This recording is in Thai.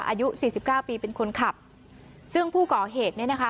อายุสี่สิบเก้าปีเป็นคนขับซึ่งผู้ก่อเหตุเนี่ยนะคะ